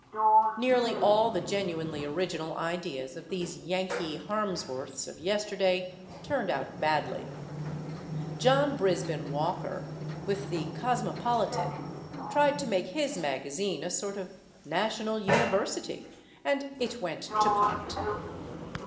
Nearly all the genuinely original ideas of these Yankee Harmsworths of yesterday turned out badly. John Brisben Walker, with the Cosmopolitan, tried to make his magazine a sort of national university, and it went to pot.